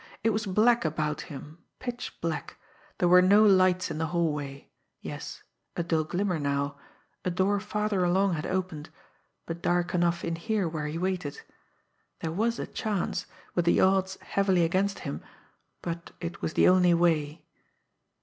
It was black about him, pitch black, there were no lights in the hallway yes, a dull glimmer now a door farther along had opened but dark enough in here where he waited. There was a chance with the odds heavily against him but it was the only way.